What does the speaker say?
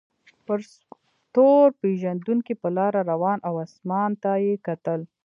یو ستور پیژندونکی په لاره روان و او اسمان ته یې کتل.